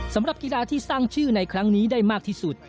สำหรับกีฬาที่สร้างชื่อในครั้งนี้ได้มากที่สุด